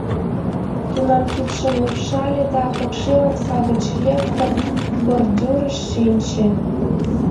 Тунам кидшым лупшале да, пыкше омса гыч лектын, бордюрыш шинче.